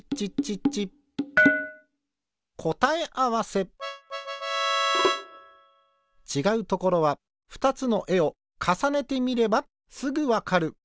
こたえあわせちがうところはふたつのえをかさねてみればすぐわかる。